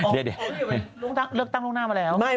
เดี๋ยวเลือกตั้งล่วงหน้ามาแล้ว